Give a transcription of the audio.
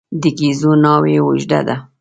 د ګېزو ناوې اوږده ده.